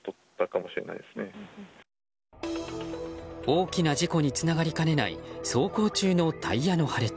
大きな事故につながりかねない走行中のタイヤの破裂。